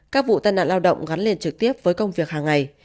các vụ tai nạn lao động gắn liền trực tiếp với công việc hàng ngày